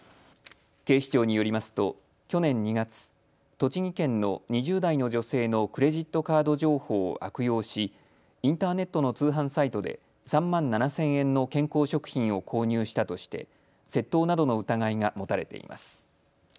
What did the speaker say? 警視庁によりますと去年２月、栃木県の２０代の女性のクレジットカード情報を悪用し、インターネットの通販サイトで３万７０００円の健康食品を購入したとして窃盗などの疑いが持たれています。